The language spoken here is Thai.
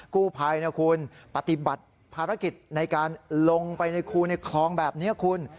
กู้ภัยนะคุณปฏิบัติภารกิจในการลงไปในคูในคลองแบบนี้คุณ